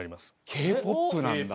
Ｋ−ＰＯＰなんだ。